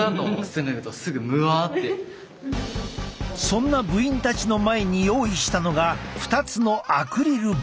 そんな部員たちの前に用意したのが２つのアクリルボックス。